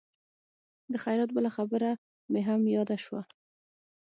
د خیرات بله خبره مې هم یاده شوه.